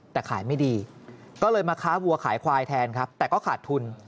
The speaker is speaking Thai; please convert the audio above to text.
แต่ขายไม่ดีก็เลยมาค้าวัวขายควายแทนครับแต่ก็ขาดทุน